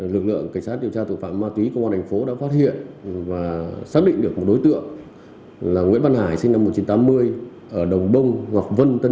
lực lượng cảnh sát điều tra tội phạm ma túy công an tp bắc giang đã phát hiện và xác định được một đối tượng là nguyễn văn hải sinh năm một nghìn chín trăm tám mươi ở đồng bông ngọc vân tân yên